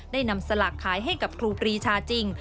นำสลากขายให้กับครูปรีชาจริง